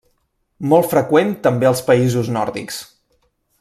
Molt freqüent també als països nòrdics.